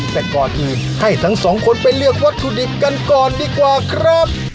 แต่ก่อนอื่นให้ทั้งสองคนไปเลือกวัตถุดิบกันก่อนดีกว่าครับ